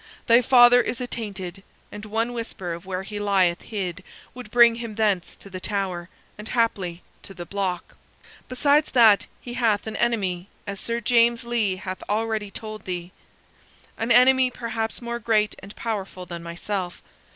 Thy father is attainted, and one whisper of where he lieth hid would bring him thence to the Tower, and haply to the block. Besides that, he hath an enemy, as Sir James Lee hath already told thee an enemy perhaps more great and powerful than myself.